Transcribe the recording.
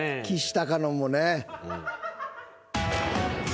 きしたかのもね。